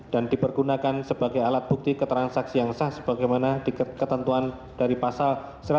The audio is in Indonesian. dan dipergunakan sebagai alat bukti keterangan saksi yang sah sebagaimana diketentuan dari pasal satu ratus delapan puluh lima